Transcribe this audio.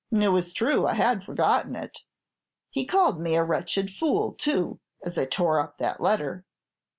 It was true, I had forgotten it. "'He called me a wretched fool, too, as I tore up that letter.